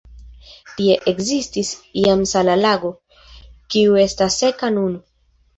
Tie ekzistis iam sala lago, kiu estas seka nun.